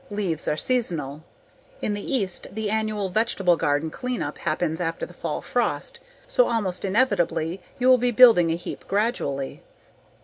Leaves are seasonal. In the East the annual vegetable garden clean up happens after the fall frost. So almost inevitably, you will be building a heap gradually.